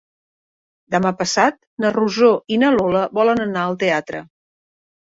Demà passat na Rosó i na Lola volen anar al teatre.